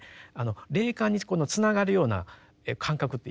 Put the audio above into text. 霊感につながるような感覚っていっぱいあると思うんですよ。